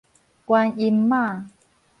觀音媽